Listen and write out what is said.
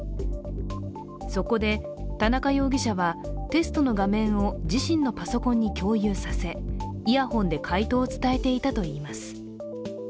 そこで、田中容疑者はテストの画面を自身のパソコンに共有させイヤホンで解答を伝えていたといいます。